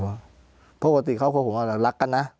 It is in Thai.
เพราะปกติเขาควรห่วงว่ารักกันนะ